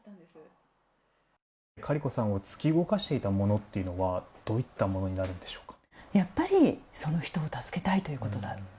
カリコさんを突き動かしていたものはどういったものになるのでしょうか。